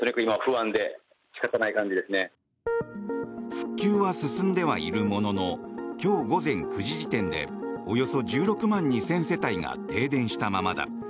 復旧は進んではいるものの今日午前９時時点でおよそ１６万２０００世帯が停電したままだ。